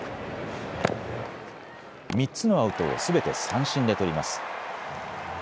３つのアウトをすべて三振で取ります。